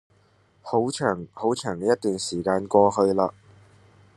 好長好長嘅一段時間過去嘞